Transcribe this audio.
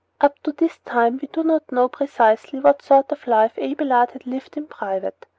Up to this time we do not know precisely what sort of life Abelard had lived in private.